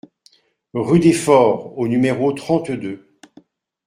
Rue des Fords au numéro trente-deux